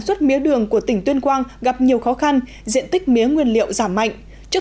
xuất mía đường của tỉnh tuyên quang gặp nhiều khó khăn diện tích mía nguyên liệu giảm mạnh trước